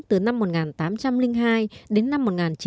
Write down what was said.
từ năm một nghìn tám trăm linh hai đến năm một nghìn chín trăm bốn mươi năm